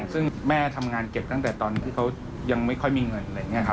ซึ่งแม่ทำงานเก็บตั้งแต่ตอนที่เขายังไม่ค่อยมีเงิน